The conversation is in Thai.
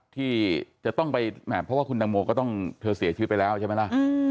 ที่จะต้องไปแหมเพราะว่าคุณตังโมก็ต้องเธอเสียชีวิตไปแล้วใช่ไหมล่ะ